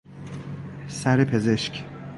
سر پزشک